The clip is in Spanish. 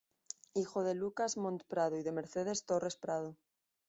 Hijo de Lucas Montt Prado y de Mercedes Torres Prado.